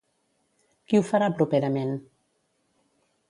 Qui ho farà properament?